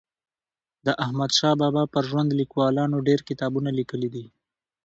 د احمدشاه بابا پر ژوند لیکوالانو ډېر کتابونه لیکلي دي.